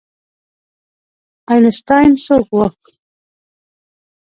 آینسټاین څوک و؟